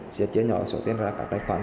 giá trị nhỏ số tiền ra các tài khoản